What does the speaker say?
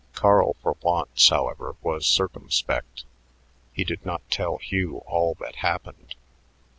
Carl for once, however, was circumspect; he did not tell Hugh all that happened.